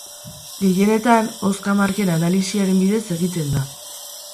Gehienetan hozka-marken analisiaren bidez egiten da.